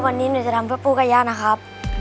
วันนี้หนูจะทำเพื่อปูกายะนะครับ